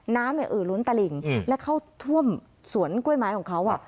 น้ำเนี่ยเอ่อล้นตะหลิ่งและเข้าท่วมสวนกล้วยไม้ของเขา